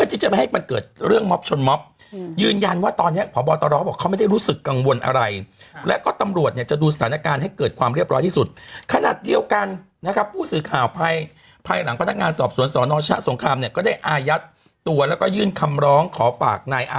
นั่นคือเสียโป๊ะใช่ไหมคะเสื้อขาวแง่จิ้ใช่เสื้อโป๊ะค่ะ